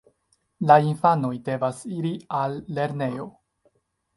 La infanoj devas iri al lernejo.